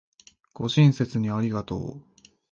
ご親切にありがとう